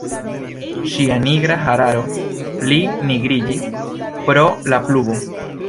Ŝia nigra hararo pli nigriĝis pro la pluvo.